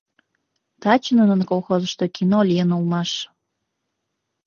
Таче нунын колхозышто кино лийын улмаш.